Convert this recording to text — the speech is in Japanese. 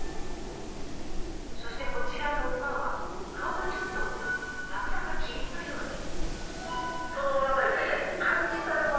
そしてこちらの馬は顔がちょっとラクダかキリンのようで。